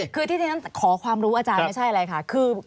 คือที่ที่ฉันขอความรู้อาจารย์ไม่ใช่อะไรค่ะ